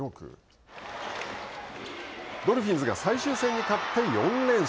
ドルフィンズが最終戦に勝って４連勝。